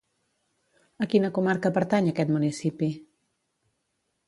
A quina comarca pertany aquest municipi?